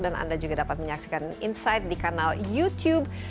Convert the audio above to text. dan anda juga dapat menyaksikan insight di kanal youtube